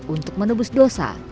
untuk menubus dosa